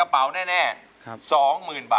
ร้องได้ให้ร้อง